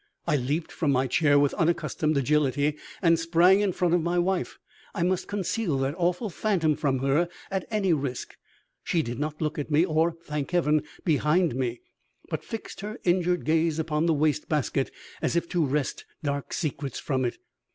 I leaped from my chair with unaccustomed agility and sprang in front of my wife. I must conceal that awful phantom from her, at any risk! She did not look at me, or thank heaven! behind me, but fixed her injured gaze upon the waste basket, as if to wrest dark secrets from it.